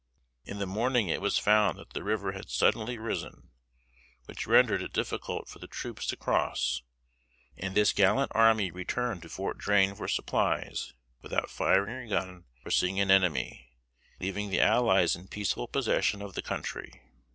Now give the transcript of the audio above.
In the morning it was found that the river had suddenly risen, which rendered it difficult for the troops to cross; and this gallant army returned to Fort Drane for supplies without firing a gun or seeing an enemy, leaving the allies in peaceful possession of the country.